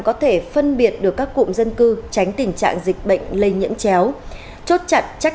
có thể phân biệt được các cụm dân cư tránh tình trạng dịch bệnh lây nhiễm chéo chốt chặt chắc